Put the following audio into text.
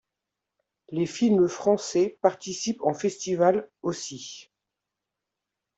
Les films français participent en festival, aussi.